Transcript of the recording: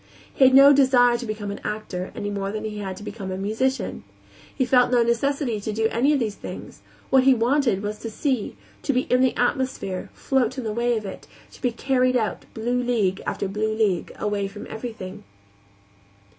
He had no desire to become an actor, any more than he had to become a musician. He felt no necessity to do any of these things; what he wanted was to see, to be in the atmosphere, float on the wave of it, to be carried out, blue league after blue league, away from everything.